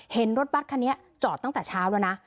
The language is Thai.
เห็นรถบัตรคันนี้จอดตั้งแต่เช้าแล้วนะ